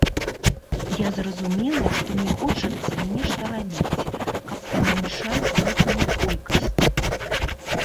Я зразумела, што мне хочацца нешта рабіць, каб памяншаць гэтую колькасць.